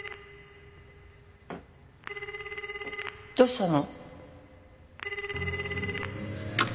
どうしたの？